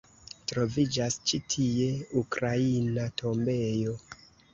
Troviĝas ĉi tie ukraina tombejo.